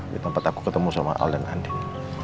di tempat aku ketemu sama al dan handi